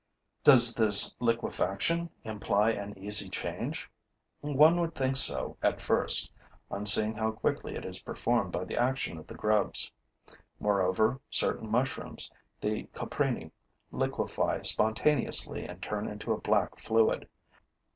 Does this liquefaction imply an easy change? One would think so at first, on seeing how quickly it is performed by the action of the grubs. Moreover, certain mushrooms, the coprini, liquefy spontaneously and turn into a black fluid.